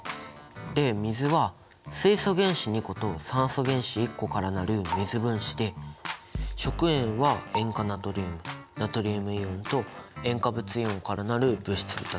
で水は水素原子２個と酸素原子１個から成る水分子で食塩は塩化ナトリウムナトリウムイオンと塩化物イオンから成る物質だったよね。